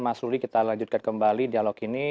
mas ruli kita lanjutkan kembali dialog ini